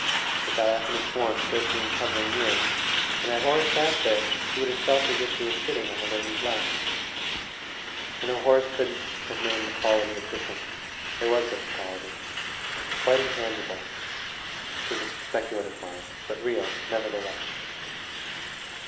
The diaphanous form still seemed hovering near, and had Horace sat there he would have felt as if he were sitting on a lady's lap. And though Horace couldn't have named the quality of difference, there was such a quality quite intangible to the speculative mind, but real, nevertheless.